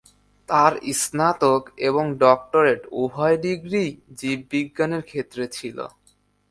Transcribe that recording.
তার স্নাতক এবং ডক্টরেট উভয় ডিগ্রিই জীববিজ্ঞানের ক্ষেত্রে ছিল।